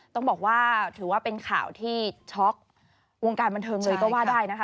ต้องบอกว่าถือว่าเป็นข่าวที่ช็อกวงการบันเทิงเลยก็ว่าได้นะคะ